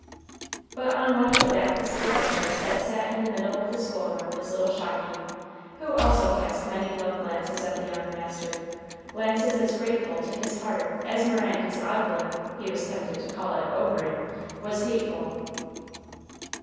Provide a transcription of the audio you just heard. But on one of the backless little benches that sat in the middle of the school room was little Shocky, who also cast many love glances at the young master; glances as grateful to his heart as Mirandy's ogling he was tempted to call it ogring was hateful.